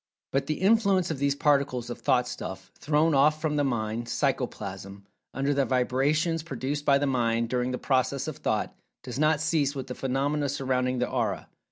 But the influence of these Particles of "Thought stuff" thrown off from the Mind Psychoplasm under the vibrations produced by the Mind during the process of Thought, does not cease with the phenomena surrounding the Aura.